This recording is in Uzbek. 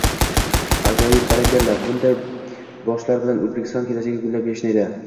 Ajoyib, Barakalla! Bunday boshlar bilan O'zbekiston kelajagi gullab -yashnaydi